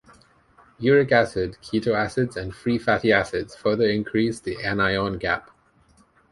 Uric acid, ketoacids, and free fatty acids further increase the anion gap.